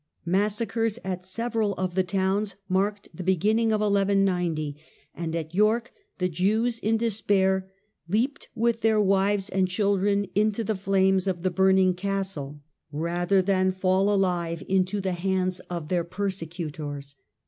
Massacres at several of the towns marked the beginning of 11 90, and at York the Jews in despair leapt with their wives and children into the flames of the burning castle, rather than 42 THE DIFFICULTIES OF LONGCHAMP. fall alive into the hands of their persecutors.